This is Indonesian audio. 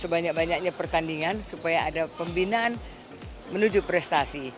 sebanyak banyaknya pertandingan supaya ada pembinaan menuju prestasi